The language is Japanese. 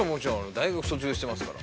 大学卒業してますから。